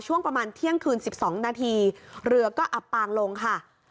ช่วงประมาณเที่ยงคืน๑๒นาทีเรือก็อับปางลงค่ะ